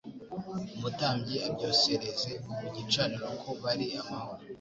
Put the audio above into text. umutambyi abyosereze ku gicaniro ko bari amahoro